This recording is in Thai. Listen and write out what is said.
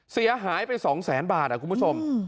เสียหายไป๒แสนบาทคุณผู้ชม